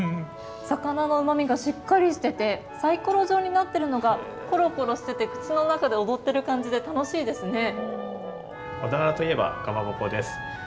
魚のうまみがしっかりしててサイコロ状になっているのがコロコロしていて口の中で踊っている感じで楽しいですね。